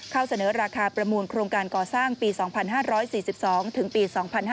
เสนอราคาประมูลโครงการก่อสร้างปี๒๕๔๒ถึงปี๒๕๕๙